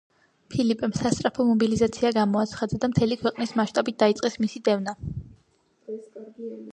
ფილიპემ სასწრაფო მობილიზაცია გამოაცხადა და მთელი ქვეყნის მასშტაბით დაიწყეს მისი დევნა.